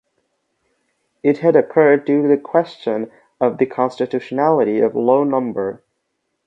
It had occurred due to the question of the constitutionality of Law no.